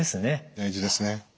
大事ですね。